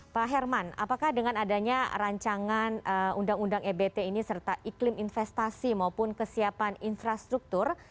pak herman apakah dengan adanya rancangan undang undang ebt ini serta iklim investasi maupun kesiapan infrastruktur